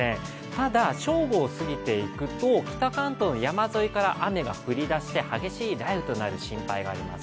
ただ正午を過ぎていくと、北関東の山沿いから雨が降りだして激しい雷雨となる心配があります。